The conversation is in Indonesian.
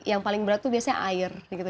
yang paling berat itu biasanya air gitu